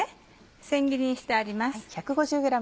せん切りにしてあります。